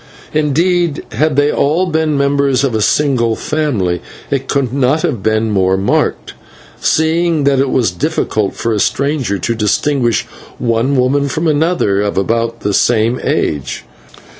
Indeed, had they all been members of a single family it would not have been more marked, seeing that it was difficult for a stranger to distinguish one woman from another of about the same age.